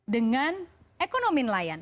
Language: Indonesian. dengan ekonomi nelayan